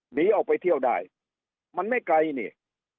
หนีออกไปเที่ยวได้มันไม่ไกลนี่